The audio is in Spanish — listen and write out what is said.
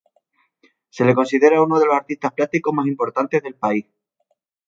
Se le considera uno de los artistas plásticos más importantes del país.